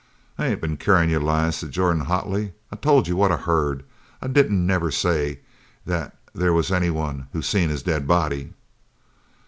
"I ain't been carryin' you lies," said Jordan, hotly. "I told you what I heard. I didn't never say that there was any one seen his dead body!"